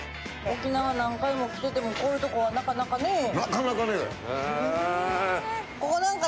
沖縄何回も来ててもこういうとこはなかなかね。